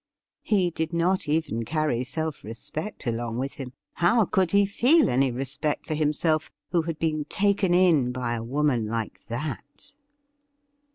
He did not even carry self respect along with him. How could he feel any respect for himself who had been taken in by a woman like that